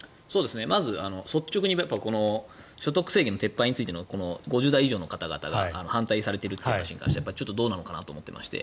まず、率直に所得制限の撤廃についての５０代以上の方々が反対されているという話に関してはちょっとどうなのかなと思っていまして。